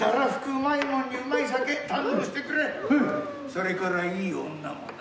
それからいい女もな。